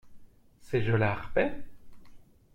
C’est Jolarpet ?